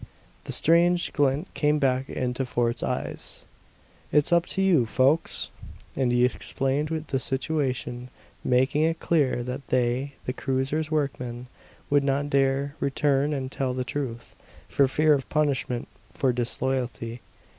The strange glint came back into Fort's eyes. "It's up to you, folks!" And he explained the situation, making it clear that they, the cruiser's workmen, would not dare return and tell the truth, for fear of punishment for disloyalty.